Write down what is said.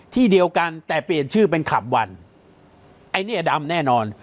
ที่เดียวกันแต่เปลี่ยนชื่อเป็นขับวันไอ้เนี้ยดำแน่นอน